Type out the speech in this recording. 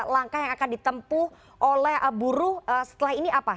langkah yang akan ditempuh oleh buruh setelah ini apa